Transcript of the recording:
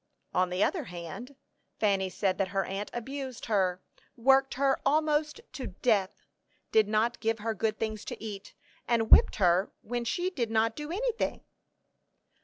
On the other hand, Fanny said that her aunt abused her; worked her "almost to death;" did not give her good things to eat, and whipped her when she "did not do anything."